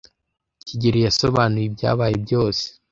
kigeli yasobanuye ibyabaye byose.